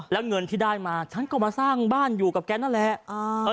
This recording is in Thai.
แล้วเงินที่ได้มาฉันก็มาสร้างบ้านอยู่กับแกนั่นแหละ